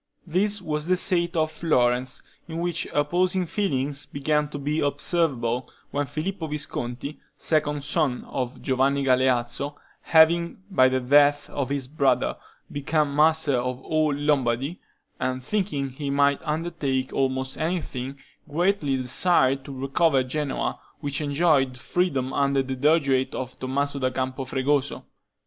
This was the state of Florence, in which opposing feelings began to be observable, when Filippo Visconti, second son of Giovanni Galeazzo, having, by the death of his brother, become master of all Lombardy, and thinking he might undertake almost anything, greatly desired to recover Genoa, which enjoyed freedom under the Dogiate of Tommaso da Campo Fregoso.